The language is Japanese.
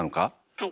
はい。